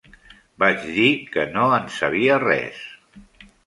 Vaig dir que no en sabia res.